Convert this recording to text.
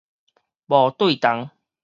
無對同